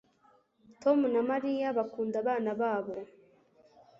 Tom na Mariya bakunda abana babo